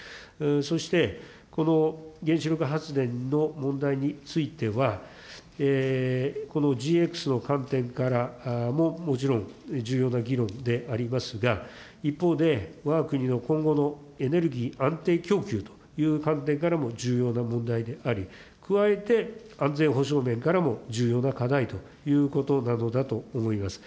そしてこの原子力発電の問題については、このＧＸの観点からももちろん重要な議論でありますが、一方で、わが国の今後のエネルギー安定供給という観点からも重要な問題であり、加えて、安全保障面からも重要な課題ということなのだと思います。